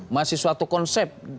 masih suatu konsep